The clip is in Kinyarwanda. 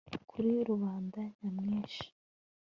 Kuri rubanda nyamwinshi